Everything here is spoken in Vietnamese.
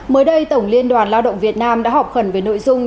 mới đây tổng liên đoàn lao động việt nam đã họp khẩn về nội dung